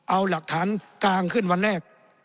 เอาหลักฐานกลางขึ้นวันแรก